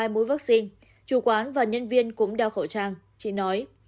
hai mũi vaccine chủ quán và nhân viên cũng đeo khẩu trang chỉ nói